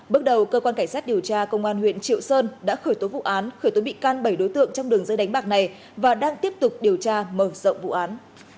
bước đầu cơ quan cảnh sát điều tra công an huyện triệu sơn đã khởi tố vụ án khởi tố bị can bảy đối tượng trong đường dây đánh bạc này và đang tiếp tục điều tra mở rộng vụ án